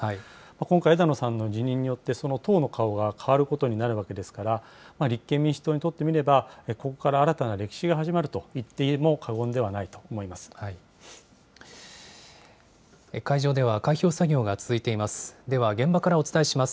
今回、枝野さんの辞任によって、その党の顔が代わることになるわけですから、立憲民主党にとってみれば、ここから新たな歴史が始まると言っても過言ではないと思会場では開票作業が続いています。